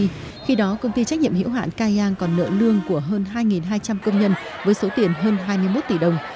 khi đó công ty trách nhiệm hiểu hạn cai giang còn nợ lương của hơn hai hai trăm linh công nhân với số tiền hơn hai mươi một tỷ đồng